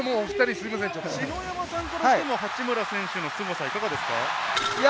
篠山さんからしても八村選手のすごさはいかがですか？